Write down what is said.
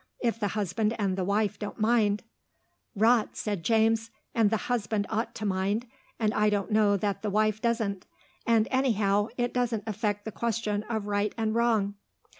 If the husband and the wife don't mind " "Rot," said James. "And the husband ought to mind, and I don't know that the wife doesn't. And, anyhow, it doesn't affect the question of right and wrong."